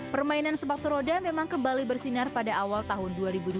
permainan sepatu roda memang kembali bersinar pada awal tahun dua ribu dua puluh